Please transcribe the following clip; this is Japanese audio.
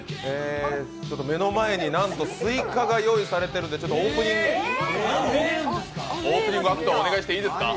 目の前に、なんとスイカが用意されているので、オープニングアクトお願いしていいですか？